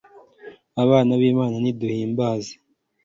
bana b'imana niduhimbaze